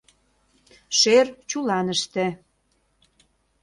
Шӧр — чуланыште...